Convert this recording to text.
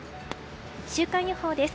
週間予報です。